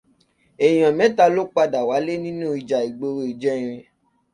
Èèyàn mẹ́ta ló padà wálé nínú ìjà ìgboro ìjẹrin